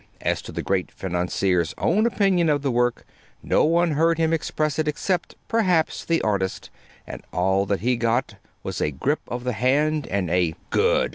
As to the great financier's own opinion of the work, no one heard him express it except, perhaps, the artist; and all that he got was a grip of the hand and a "Good!